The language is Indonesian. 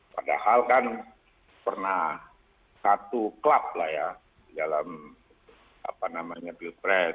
padahal kan pernah satu klub lah ya dalam pilpres